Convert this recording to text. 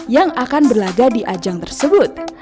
yang akan berlaga di ajang tersebut